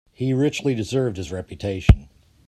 He richly deserved his reputation.